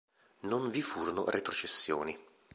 Non vi furono retrocessioni.